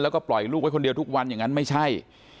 แล้วก็ปล่อยลูกไว้คนเดียวทุกวันอย่างนั้นไม่ใช่